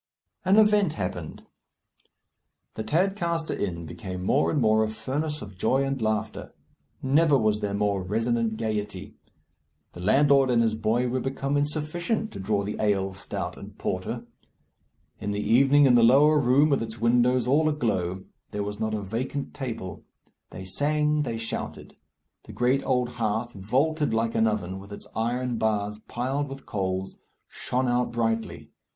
An event happened. The Tadcaster Inn became more and more a furnace of joy and laughter. Never was there more resonant gaiety. The landlord and his boy were become insufficient to draw the ale, stout, and porter. In the evening in the lower room, with its windows all aglow, there was not a vacant table. They sang, they shouted; the great old hearth, vaulted like an oven, with its iron bars piled with coals, shone out brightly.